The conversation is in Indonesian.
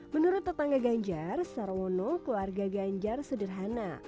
menurut tetangga ganjar sarwono keluarga ganjar sederhana